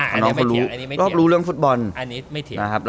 อ่าอันนี้ไม่เทียบ